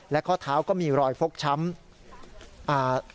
และก็เท้าก็มีรอยฟกช้ำ